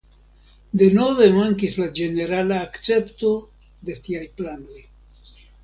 Denove mankis la ĝenerala akcepto de tiaj planoj.